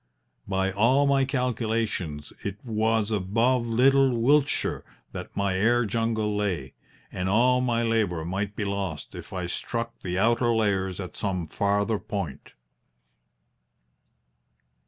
By all my calculations it was above little Wiltshire that my air jungle lay, and all my labour might be lost if I struck the outer layers at some farther point.